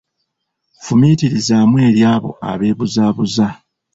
Fumiitirizaamu eri abo abeebuzaabuza.